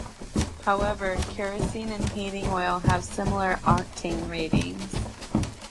However, kerosene and heating oil have similar octane ratings.